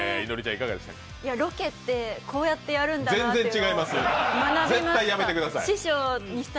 ロケってこうやってやるんだなって学びました。